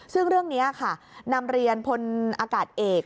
ซึ่งเรื่องนี้ค่ะนำเรียนพลอากาศเอก